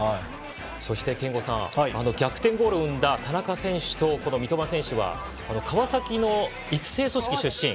そして憲剛さん逆転ゴールを生んだ田中選手と三笘選手は川崎の育成組織出身。